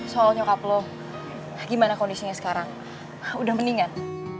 soal nyokap lo gimana kondisinya sekarang udah mendingan